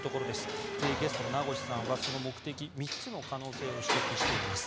ゲストの名越さんはその目的、３つの可能性を指摘しています。